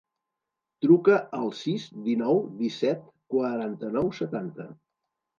Truca al sis, dinou, disset, quaranta-nou, setanta.